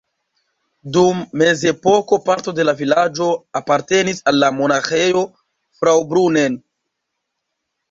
Dum mezepoko parto de la vilaĝo apartenis al la Monaĥejo Fraubrunnen.